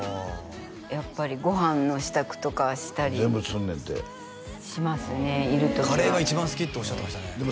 やっぱりご飯の支度とかしたりしますねいる時はカレーが一番好きっておっしゃってましたねカレー？